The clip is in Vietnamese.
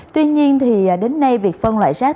tuy nhiên thì đến nay việc phân loại rác